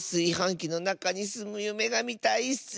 きのなかにすむゆめがみたいッス！